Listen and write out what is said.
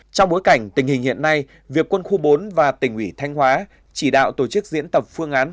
trong bối cảnh tình hình hiện nay việc quân khu bốn và tỉnh ủy thanh hóa chỉ đạo tổ chức diễn tập phương án